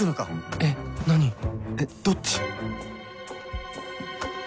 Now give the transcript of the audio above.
えっどっち？